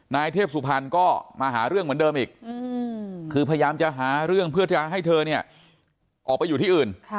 นายเทพสุพรรณก็มาหาเรื่องเหมือนเดิมอีกคือพยายามจะหาเรื่องเพื่อที่จะให้เธอเนี่ยออกไปอยู่ที่อื่น